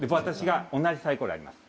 同じサイコロあります。